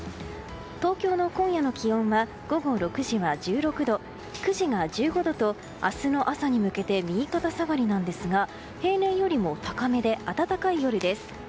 東京の今夜の気温は午後６時は１６度９時が１５度と明日の朝に向けて右肩下がりなんですが平年よりも高めで暖かい夜です。